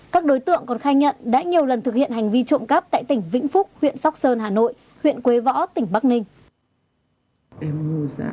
các đối tượng còn khai nhận đã nhiều lần thực hiện hành vi trộm cắp tại tỉnh vĩnh phúc huyện sóc sơn hà nội huyện quế võ tỉnh bắc ninh